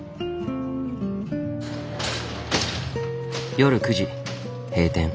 夜９時閉店。